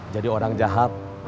jadi orang jahat